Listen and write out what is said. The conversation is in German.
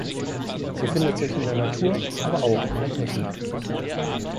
Sie findet sich in der Natur, aber auch in der Technik.